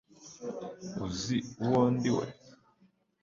uzi uwo ndiwe